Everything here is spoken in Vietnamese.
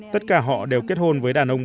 tất cả họ đều kết hôn với đàn ông bản địa